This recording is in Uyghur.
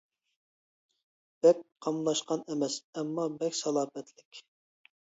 بەك قاملاشقان ئەمەس، ئەمما بەك سالاپەتلىك.